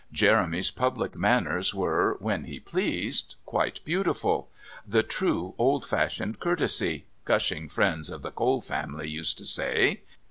Jeremy's public manners were, when he pleased, quite beautiful "the true, old fashioned courtesy," gushing friends of the Cole family used to say.